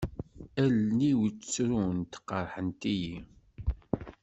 Allen-iw ttrunt, qerḥent-iyi.